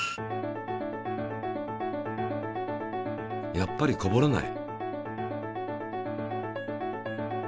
やっぱりこぼれない。